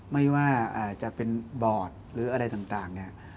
ไม่ว่าจะเป็นบอร์ดหรืออะไรต่างเนี่ย